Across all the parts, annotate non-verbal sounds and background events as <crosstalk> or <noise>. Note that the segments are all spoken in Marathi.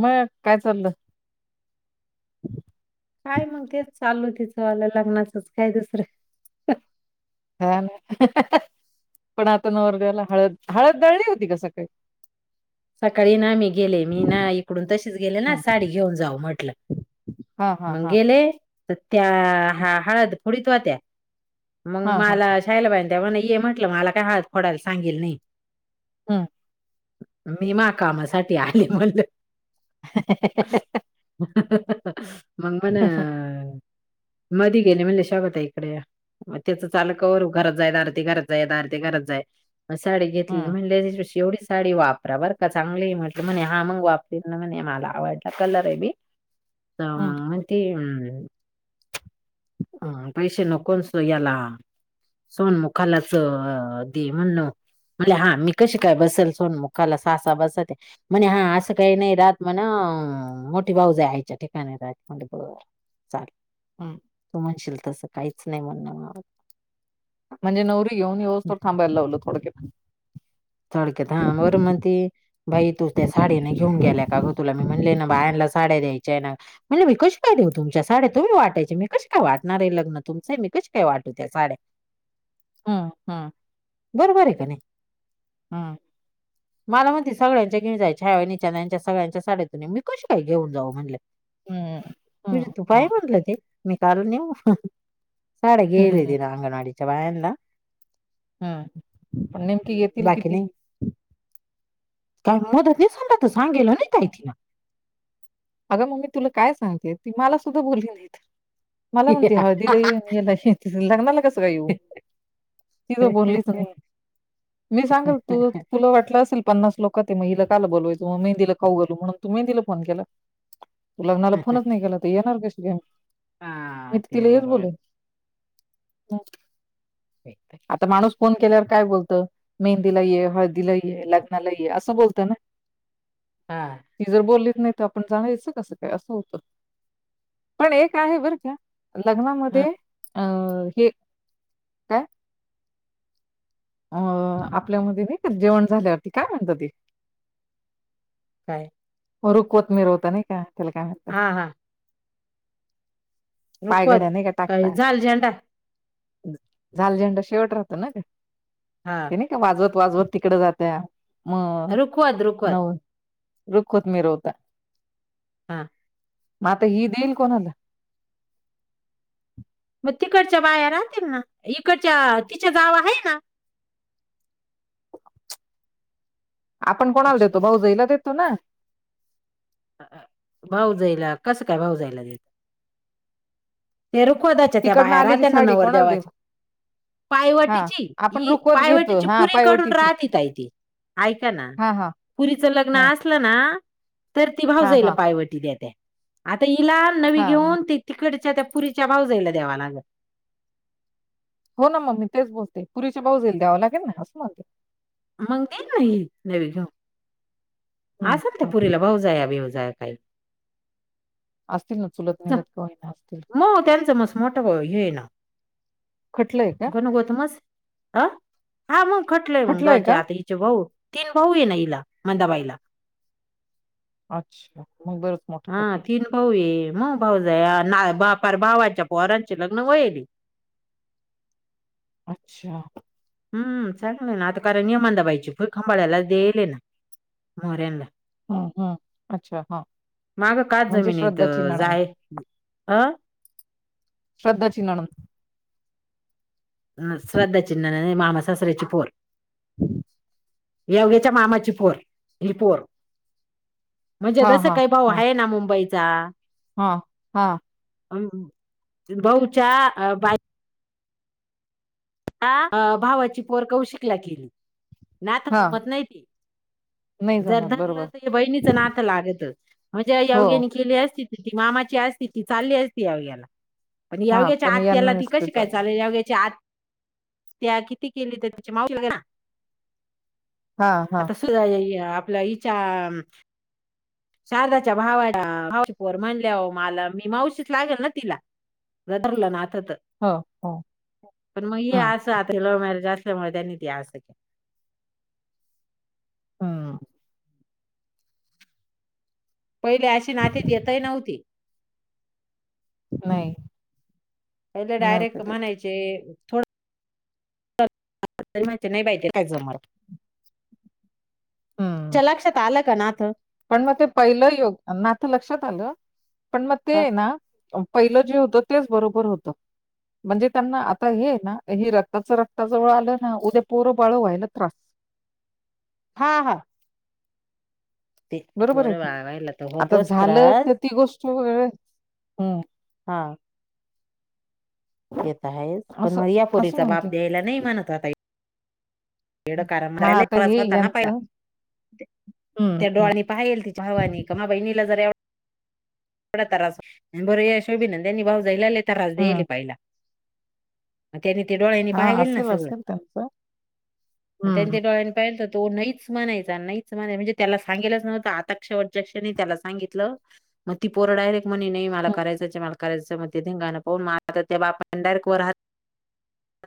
म काय चाललं काय मग तेच चालू तिचं आल लग्नाचच काय दुसरे हा न पण आता नवरदेवाला हळद, हळद दळली होती का सकाळी सकाळी ना मी गेले, मी ना इकडून तशीच गेले ना हं. साडी घेऊन जाऊ म्हटलं. हां, हां, मंग हां. गेले तर त्या हाळ हळद फोडीत होत्या मंग हां, हां. माला शायला बाई त्या म्हणे ये म्हटलं मला काय हळत फोडायला सांगिली नाई. अ मी माहा कामासाठी आले म्हणलं <unintelligible> मंग म्हण मधी गेले म्हणले शोभाताई कडं म त्याचं चालु कवर घरात जाय दारत ये घरात जाय दारत ये घरात जाय म साडी घेतली हं, म्हणल शेवढी साडी वाप परा बरं का चांगली म्हटल म्हणे हा मग वापरीन न म्हणे मला आवडला कलर ये बी. आ हं, मंग म्हणती हम पैसे नको नं सोयाला सोनमुखालाच दे म्हणलं म्हणले हा मी कशी काय बसल सोनमुख काला सासा बसत्या म्हणे हा असं काही नाही राहत म्हण मोठी भाऊजई आईच्या ठिकाणी राहती बर चाल. हं. तू म्हणशील तसं काहीच नाही म्हणणं माव म्हणजे नवरी घेऊन येवोस्थर थांबायला लावलं, थोडक्य थोडक्यात हा वरुण म्हणती बाई तू त्या साडी नाही घेऊन गेल्याय का गं? तुला मी म्हणले ना! बायांला त्या साड्या द्यायच्या ना! म्हणल मी कस काय देऊ तुमच्या साड्या तुम्ही वाटायच्या मी कशी काय वाटणार ये लग्न तुमच मी कशी काय वा त्या साड्या, हम हम! बरोबर आहे का नाही? हम्म! मला म्हणती, सगळ्यांच्या घेऊन जायच्या छाया वहिनीच्या यांच्या सगळ्यांच्या साड्या तू ने मी कशी काय घेऊन जाऊ म्हणल. हं, तुझे हं, तू पाय हं, म्हणलं, ते मी काला नेऊ साड्या घेईल हं, तिनं अंगवाडीच्या बायांना. हम्म! पण नेमकी येतील बाकी किती? नाही काय मोदत नाही, समजा तर सांगेल नाही काही तिला? अगं मम्मी तुला काय सांगते ती मला सुद्धा बोलली नाही तर, मला म्हणते हळदीला तिला य लग्नाला कसं काय येऊ, ती तर बोललीच नाही, मी सांगल तू तुला वाटलं असेल. पन्नास लोकात ये म इला काला बोलवायचं मेंदिला खाऊ घालू म्हणून तू मेंदीला फोन केल. तू लग्नाला फोनच नाही केला तर येणार कशी ग! हा ते बरोबर! आहे. आता माणूस फोन केल्यावर. काय बोलत मेहंदीला ये, हळदीला ये, लग्नाला ये, असं बोलत ना. हा ती जर बोललीत नाही तर आपण जाणयचं कसं काय असं होतं पण एक आहे बरं का! लग्नामध्ये हा अ हे काय. अं आपल्यामध्ये नाही का, जेवण झाल्यावरती काय म्हणत ते काय रुखवत मिरवता नाही का, त्याला काय म्हणत. हा हा रुखवत पायघड्या नाही का काय टाकता, झाल झेंडा झाल झंडा शेवट राहतो ना ग हा ते नाही का वाजवत वाजवत तिकड जात्या मग रुखवत रुखवत नऊ रुखवत मिरवता. ह. मग आता हि देईल कोणाला? तिकडच्या बाया राहतील ना, इकडच्या तिच्या जावा आहे ना. आपण कोणाला देतो भाऊजईला देतो ना? भाऊ जायला कसं काय भाऊ जायला देत. ते रुखव दच त्या तिकडनं बाहेर आलेली आतेना साडी नवर कोणाला देऊ दवाचे हा पायवटीची आपण ही रुखवत घेतो पायवटीची हा पुरी करून पायवटीची राहतेय ताई ती, ऐका ना! हा हा पुरीच लग्न हा असलं ना? तर ती भाव हा जाईला हा पायवटी द्या त्या आता हिला नवी हा घेऊन ते तिकडच्या त्या पुरीच्या भाव जाईल देवालाग हो ना मम्मी, तेच बोलते पुरीचे बाऊ जा येईल द्यावं लागेल ना हस मग, मंग ग ना नवी घेऊ. हम्म, असाल त्या हम्म. पुरीला भाऊ जाया भऊ जाया काही असतील ना चुलत ननंद कावाही न असतील. मोठ हे ना! खटलंय का गण गोतमच ह हा मग, खटलंय मग दोच्या आत हचे भाऊ तीन भाऊ ये ना इला मंदाबाईला. अच्छा मग बरंच हा मोठं खटलं तीन भाऊ ये मग, भाऊ जा ना भावाच्या पारांचे लग्न होईल. अच्छा! हम्म चांगलं ना! आता कारण नियमन नंदाबाई ची भू खांबाळला देईलय ना मोऱ्यांला. हम्म हम्म अच्छा हा माग काच म्हणजे जमीनीत श्रद्धाची जाय अ श्रद्धा ची नणंद श्रद्धा ची नणंद मामा सासर्याची पोर हम्म <inaudible> योग्याच्या मामाची पोर हि पोर म्हणजे हा जसं हा काही भाऊ हा आहे ना मुंबईचा हा हा बहूच्या बाई आ भावाची पोर कौशिकला केली. नात हा जमत नाही ती नाही जर जमत बरोबर धरलं तर बहिणीचं नात लागत. म्हणजे हो योग्यानी केली आहे. तिची ती मामांची असती ती चालली असती योग्याला, पण हा योग्याच्या पण यांना आत्याला ती नसते कशी काय चाललं चालेल योग्याच्या आत त्या किती केली तर ती मावशी होईल ना. हा हा आता सुद्दा अ आपल्या हेच्या शारदाच्या भावाला भावाची पोर म्हणल्या वर मला ती मावशीच लागेल ना मला धरलं ना आता हो, हो. तसंच मग ये हां, असं आता लव्ह मॅरेज त्याच्यामुळे देत्याती आज हा पहिले अशी नाते देतही नव्हती. नाही, पहिले डायरेक्ट नव्हते देत. म्हणायचे, नाही बाई ते काय जमत हं. तुमच्या लक्षात आलं. का नात पण मग ते पहिलं योग ना तर लक्षात आलं पण मग ते हा ना पहिलं जे होत तेच बरोबर होतं. म्हणजे त्यांना आता हे ना हे रक्ताच रक्ता जवळ आलं ना उद्या पोरं बाळ व्हायला त्रास हा हा ते बरोबर आहे पोरं की वाळवायला तर आता होतोच झालं त्रास तर ती गोष्ट वेगळ हम हा येत आहेच पण असं मग या असं पोरीचा म्हणते बाप द्यायला नाही म्हणत आता, मी. हां, आता लेकराचा हे होता ना पहिला यांचं हं, त्या हं, डोळ्यांनी पाहायला येईल का तिच्या भावांनी का म बहिणीला जरा एवढ थोडा त्रास बर यशोदे नंदे नी भावजाईला लय त्रास हं. देले पाहिला मग त्यांनी ते डोळ्यांनी हां, पाहिलेल ना असेल, सगळं असेल त्यांचं. त्यांनी हं, ते डोळ्यांनी पाहिल तर तो नाहीच म्हणायचा नाहीच म्हणाय म्हणजे त्याला सांगेलाच नव्हतं आताक्षध्यक्षनी त्याला सांगितलं. मग ती पोर डायरेक्ट म्हणे, नही मला हं, कराय आहे. मला करायचं, मग ते धिंगाणा पाहून म आता त्या बापान डायरेक्ट वर हात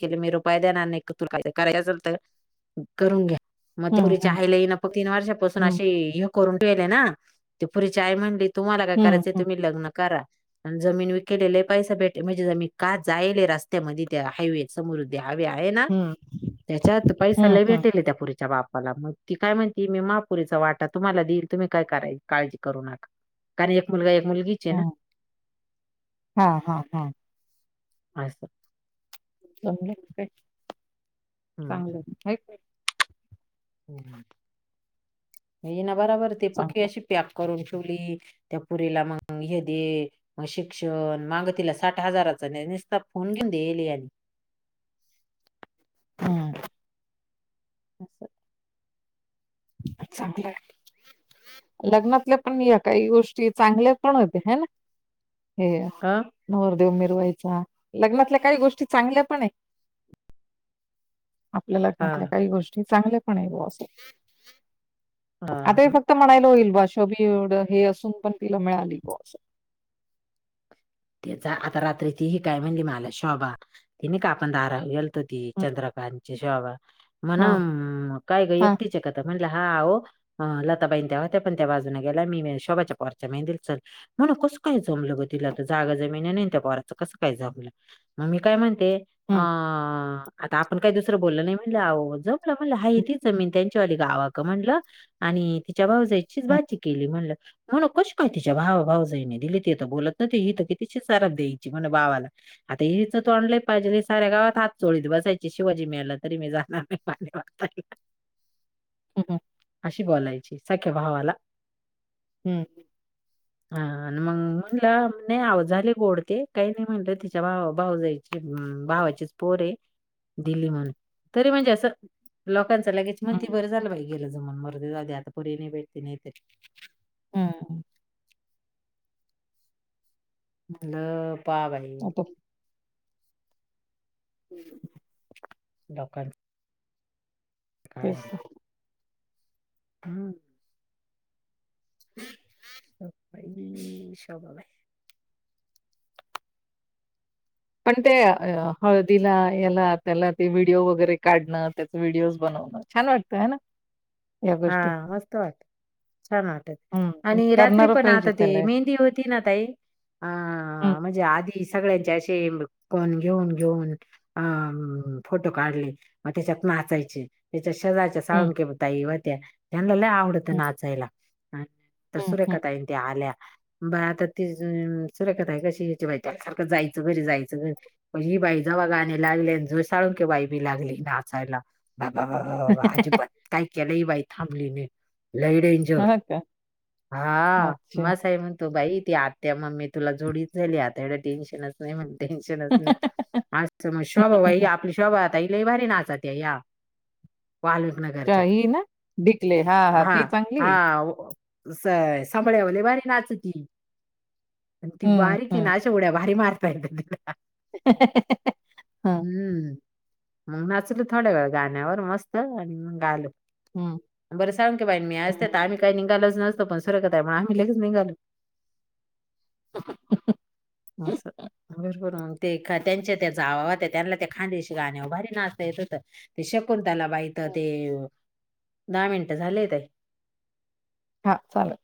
के मी रुपाय देणार नाही. तु काय कराय असेल तर करून घ्या. मग ते हं, पोरींचे हं, आई <unintelligible> तीन वर्षांपासून हं, ते हे करून ले ना. ती पोरी चे आई म्हणे तुम्हाला काय हं, करायचंय हं, तुम्ही लग्न करा. जमीन विकलेला लय पैसा भेट म्हणजे जमीन का जायलय रस्त्यामध्ये त्या हायवे समोर उ द्या हवी आहे ना. हं, त्याच्यात हं, पैसाला भेटेल त्या पोरीच्या बाप <unintelligible> ती काय म्हणती, मी महापोलीचा वाटा तुम्हाला दिल. तुम्ही काय कराय काळजी करू नका. कारण एक मुलगा, एक मुलगीच ये ना. हं. हा हा हा. Hi sir. चांगलं हाय काय चांगलंय, हाय काय? येणा भराभर ती पक्की चांगलं. अशी पॅक करून त्या पोरीला मग हे दे, शिक्षण मग तिला साठ हजारच संपून द्यायलीय. हम् अस चांगलंय. लग्नातले पण या काही गोष्टी चांगल्या पण होते. ह ना. हे. हा नवरदेव मिरवायचा. लग्नातल्या काही गोष्टी चांगल्या पण आहे आपल्या लग्नातल्या हा. काही गोष्टी चांगल्या पण आहे. हो. असं आता हा. हे फक्त म्हणायला होईल, बाज शबी हे असून पण तिला मिळाली ग. अस. त्याचा आता रात्री ती ही काय म्हणली मला शोभा तिने का आपण दारावर गेल ती हम्म, चंद्रकांत ची शोभा म्हण हा काय ग हा एकटीच हाय का म्हण हा ओ लताबाईन त्या होत्या पण त्या बाजून गेला मी म्हण कस काय जमलं ग तिला तर जागा जमिन नाही त्या पोराचं कसं काय जमलं मग मी काय म्हणते अ हम्म आता आपण काही दुसरं बोललं नाही म्हटलं जमलं म्हटलं हा ती जमीन त्यांच्यावाली गावा का म्हटलं आणि <unintelligible> <unintelligible> तिच्या भाऊजईचीच हम्म भाची केली म्हणलं म्हण नव नव कशी काय तिच्या भावा भाऊजईने दिली ती तर बोलत तर ती इथं... कितीची सराब द्यायची मझ्या भावाला... आता हिचं तोंड लय <unintelligible> साऱ्या गावात हात चोळीत बस असायची शिवाजी मेला तरी मी जाणार नाई पाणी पाजायला. हम्म अशी बोलायची सख्या भावाला. हुं. हा अन मंग <unintelligible> नाय आव झाले गोड ते काई नाई म्हटलं तिच्या भावा भाऊजयची उम भावाचीच पोरए दिल्ली म्हण. तरी म्हणजे असं लोकांचं लगेच हम्म म्हणती.... बरं झालं बाई... गेला जमाना मरुदे जाऊ दे... आता पुरी नई भेटती... नई तरी हम् न पा भाई आता <unintelligible> <unintelligible> तेच त. हम. शोभा... बाई... शोभाबाई पण ते... ह... हळदीला... याला त्याला... ते व्हिडिओ वगैरे काढणं.. त्याचं व्हिडिओज बनव छान वाटतं हाय ना? या गोष्टी. हा... मस्त वाट छान वाट हं. पण आणि रात्री करणारं पण पाहिजे आता ते त्याला. मेहंदी होती ना ताई हं. हा म्हणजे आधी सगळ्यांचे असे पण घेऊन घेऊन अ फोटो काढले मग त्याच्यात नाचायचे च्या शेजारच्या हं, साळुंखे ताई होत्या त्यांना लई आवडतं हं, नाचायला हं, हं. सुरेखा ताई तेन त्या आल्या, बर आता ते सुरेखा ताई कशी म्हणायची सारखं जायचं घरी जायचं घरी बाई जेव्हा गाणी लागलेन साळुंके बाई बी लागली नाचायला आरारारा अजिबात काय केलंही बाई थांबली नाही. लई डेन्जर हां का? हा अच्छा. मग साई म्हणतो बाई. ती आत्या मम्मी तुला जोडीच झाली आता एवढं टेन्शनच नाही म्हणते. टेन्शनच नाही आसते मग शोभा आपली शोभा ताई लई भारी नाचाती या वाल्मिक नगरच्या शाही ना? डिकले. हां, हां. हा ती हा चांगली. भारी नाच ती हं, बारीक ये ना अशी उढ्या भारी मारते. का <unintelligible> हा हम्म मग नाचलं थोड्या वेळ गाण्यावर मस्त आणि मग आलो. हं. बरं साळुंखे की बाईण मी असते तर हं. आम्ही काही निघालच नस तो पण सुरेखा ताई आम्ही लगेच निघालो. असं <unintelligible> ते का त्यांच्या त्या जावा होत्या त्यांना ते खान्देशी गाण्यावर भारी नाचता येत होतं, ते शकून तला बाई तर ते, दहा मिनटं झाले ताई. हा चालेल.